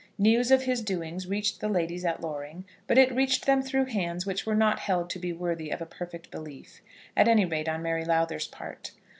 News of his doings reached the ladies at Loring, but it reached them through hands which were not held to be worthy of a perfect belief, at any rate, on Mary Lowther's part.